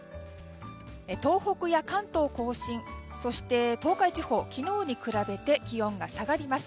東北や関東・甲信そして、東海地方昨日に比べて気温が下がります。